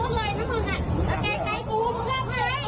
แล้วแก๊งใจปูมันเรื่องไหน